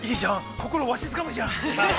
心をわしづかむじゃん。